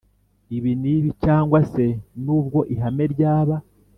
ibi n ibi cyangwa se n ubwo Ihame ryaba